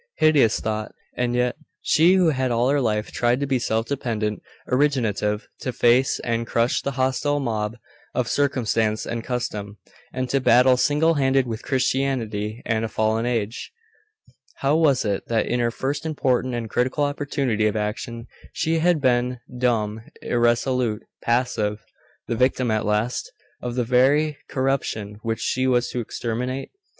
Hideous thought! And yet she who had all her life tried to be self dependent, originative, to face and crush the hostile mob of circumstance and custom, and do battle single handed with Christianity and a fallen age how was it that in her first important and critical opportunity of action she had been dumb, irresolute, passive, the victim, at last, of the very corruption which she was to exterminate?